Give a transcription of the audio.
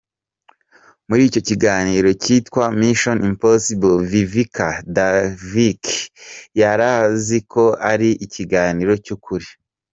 Muri icyo kiganiro cyitwa Mission impossible Vivica Dacic yarazi ko ari ikiganiro cy’ukuri.